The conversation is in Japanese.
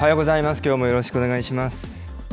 きょうもよろしくお願いします。